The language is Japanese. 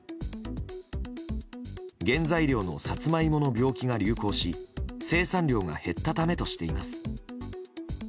原材料のサツマイモの病気が流行し生産量が減ったためとしています。